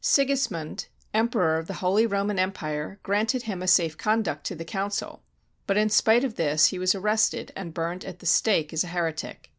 Sigis mund, Emperor of the Holy Roman Empire, granted him a safe conduct to the council; but in spite of this he was ar rested and burned at the stake as a heretic.